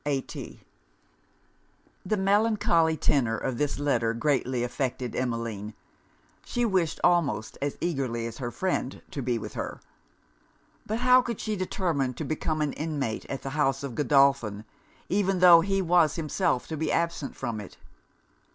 A.T.' The melancholy tenor of this letter greatly affected Emmeline. She wished almost as eagerly as her friend to be with her. But how could she determine to become an inmate at the house of Godolphin, even tho' he was himself to be absent from it?